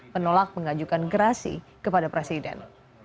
menolak mengajukan gerasi kepada presiden